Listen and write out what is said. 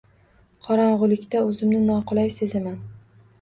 Qorongʻilikda oʻzimni noqulay sezaman.